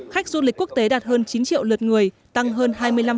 khách du lịch quốc tế đạt hơn chín triệu lượt người tăng hơn hai mươi năm